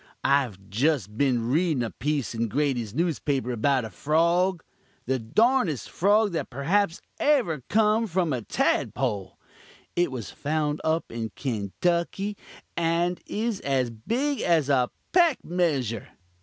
I've jest been readin' a piece in Grady's newspaper about a frog the darndest frog that perhaps ever come from a tadpole. It was found up in Kanetucky, and is as big as a peck measure.